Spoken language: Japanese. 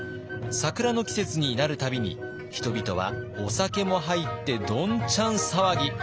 桜の季節になる度に人々はお酒も入ってどんちゃん騒ぎ。